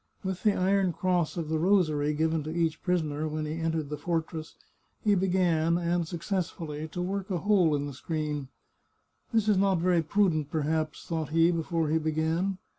With the iron cross of the rosary given to each prisoner when he entered the fortress, he began, and successfully, to work a hole in the screen. " This is not very prudent, perhaps," thought he, before he began.